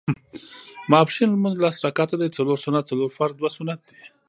ماسپښېن لمونځ لس رکعته دی څلور سنت څلور فرض دوه سنت دي